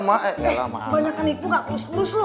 eh banyak banyak ibu nggak terus kerus lu